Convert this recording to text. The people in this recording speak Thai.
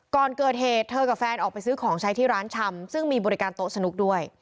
ก่อนเกิดเหตุเธอกับแฟนออกไปซื้อของใช้ที่ร้านชำซึ่งมีบริการโต๊ะสนุกด้วย